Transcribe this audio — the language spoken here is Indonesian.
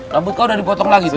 rambut kok udah dipotong lagi tuh